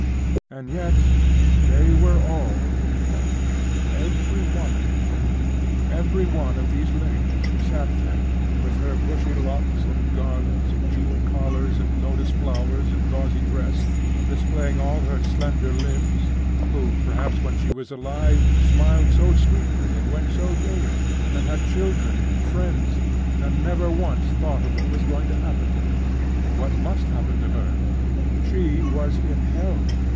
And yet they were all in hell.... every one of them. Every one of these ladies who sat there, with her bushy locks, and garlands, and jewelled collars, and lotus flowers, and gauzy dress, displaying all her slender limbs who, perhaps, when she was alive, smiled so sweetly, and went so gaily, and had children, and friends, and never once thought of what was going to happen to her what must happen to her.... She was in hell....